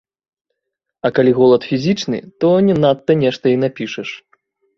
А калі голад фізічны, то не надта нешта і напішаш!